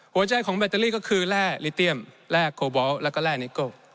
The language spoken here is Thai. ใจของแบตเตอรี่ก็คือแร่ลิเตียมแร่โคบอลแล้วก็แร่นิโก้